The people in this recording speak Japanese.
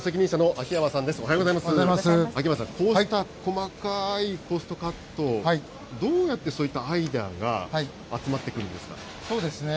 秋山さん、細かいコストカット、どうやってそういったアイデアが集まってくるんですか。